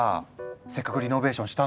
せっかくリノベーションしたのに。